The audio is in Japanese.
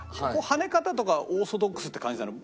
跳ね方とかオーソドックスって感じなの？